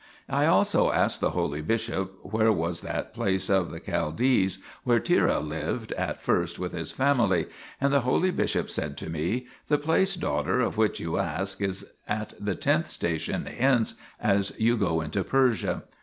I also asked the holy bishop where was that place of the Chaldees where Terah lived at first with his family, 2 and the holy bishop said to me :" The place, daughter, of which you ask, is at the tenth station hence, as you go into Persia.